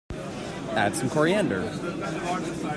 Add some coriander.